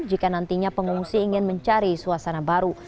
jika nantinya pengungsi ingin mencari suasana baru